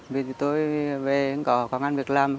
vì tôi về cũng có công an việc làm